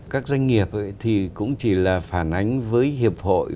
các doanh nghiệp thì cũng chỉ là phản ánh với hiệp hội